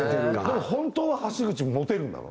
でも本当は橋口モテるんだろ？